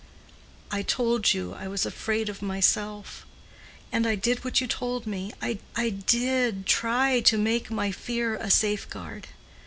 I told you I was afraid of myself. And I did what you told me—I did try to make my fear a safeguard.